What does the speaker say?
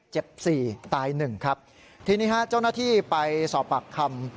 เจ็บสี่ตายหนึ่งครับทีนี้ฮะเจ้าหน้าที่ไปสอบปากคำ